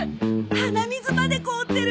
鼻水まで凍ってる！